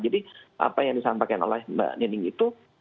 jadi apa yang disampaikan oleh mbak nining itu